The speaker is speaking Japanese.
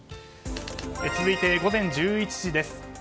続いて、午前１１時です。